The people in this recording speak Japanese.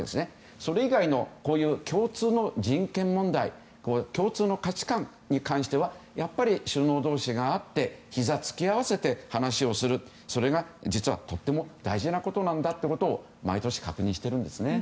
それ以外の共通の人権問題共通の価値観に関してはやっぱり首脳同士が会ってひざを突き合わせて話をすることがとても大事なことなんだと毎年、確認しているんですね。